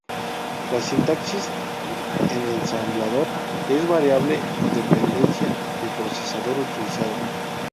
La sintaxis en ensamblador es variable en dependencia del procesador utilizado.